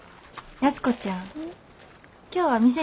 安子ちゃん。